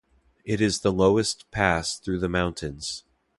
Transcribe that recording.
It is the lowest pass through the mountains.